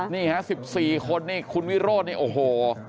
นี่ฮะ๑๔คนนี่คุณวิโรธนี่โอ้โห